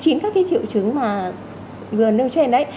trong số chín các cái triệu chứng mà vừa nâng trên đấy